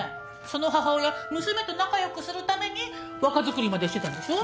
その母親娘と仲良くするために若作りまでしてたんでしょ？